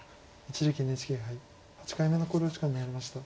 一力ＮＨＫ杯８回目の考慮時間に入りました。